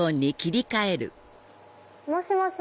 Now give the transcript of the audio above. もしもし。